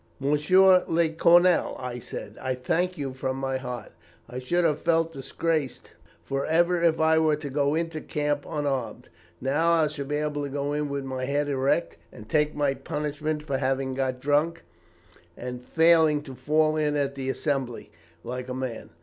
"'Monsieur le Colonel,' I said, 'I thank you from my heart. I should have felt disgraced for ever if I were to go into the camp unarmed. Now, I shall be able to go in with my head erect, and take my punishment for having got drunk, and failing to fall in at the assembly, like a man.